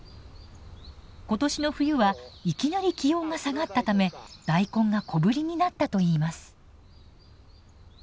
今年の冬はいきなり気温が下がったため大根が小ぶりになったといいます。